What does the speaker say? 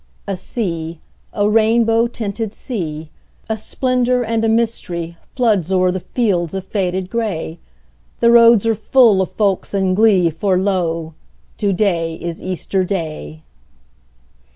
A sea, a rainbow tinted sea, A splendor and a mystery, Floods o'er the fields of faded gray: The roads are full of folks in glee, For lo, to day is Easter Day!